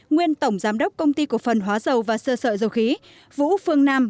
nguyên tổng giám đốc công ty cổ phần hóa dầu và sơ sợi dầu khí vũ phương nam